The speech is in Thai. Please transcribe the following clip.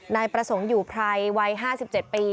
นายประสงค์อยู่ไพรวัย๕๗ปี